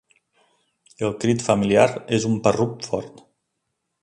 El crit familiar és un parrup fort.